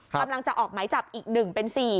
กำลังจะออกหมายจับอีก๑เป็น๔